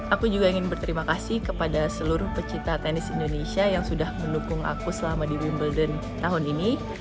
aku juga ingin berterima kasih kepada seluruh pecinta tenis indonesia yang sudah mendukung aku selama di wimbledon tahun ini